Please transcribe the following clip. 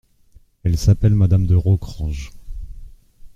Elle s'appelle Madame de Rocrange.